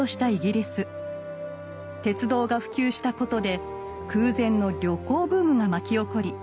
鉄道が普及したことで空前の旅行ブームが巻き起こり